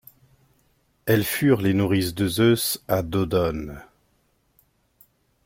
Elles furent les nourrices de Zeus à Dodone.